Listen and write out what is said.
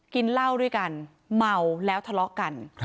กินเหล้าด้วยกันเมาแล้วทะเลาะกัน